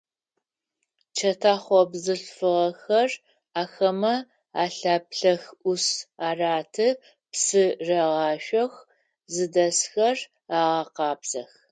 Чэтэхъо бзылъфыгъэхэр ахэмэ алъэплъэх, ӏус араты, псы рагъашъох, зыдэсхэр агъэкъабзэх.